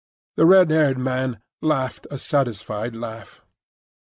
The red haired man laughed a satisfied laugh.